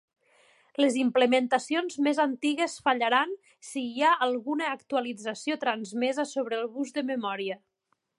Les implementacions més antigues fallaran si hi ha "alguna" actualització transmesa sobre el bus de memòria.